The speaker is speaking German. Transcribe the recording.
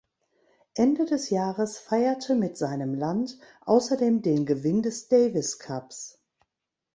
Ende des Jahres feierte mit seinem Land außerdem den Gewinn des Davis Cups.